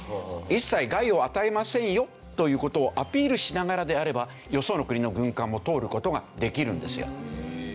一切害を与えませんよという事をアピールしながらであればよその国の軍艦も通る事ができるんですよ。